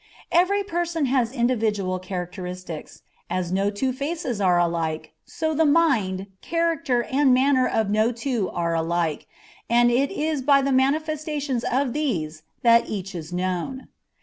Every person has individual characteristics. As no two faces are alike, so the mind, character, and manner of no two are alike, and it is by the manifestation of these, that each is known.